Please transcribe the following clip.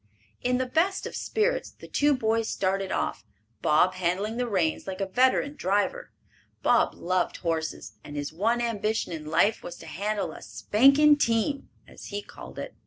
In the best of spirits the two boys started off, Bob handling the reins like a veteran driver. Bob loved horses, and his one ambition in life was to handle a "spanking team," as he called it.